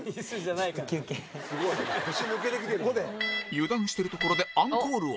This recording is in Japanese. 油断してるところでアンコールを